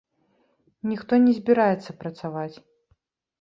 Ніхто не збіраецца працаваць.